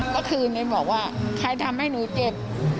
ก็คือเลยบอกว่าใครทำให้หนูเจ็บ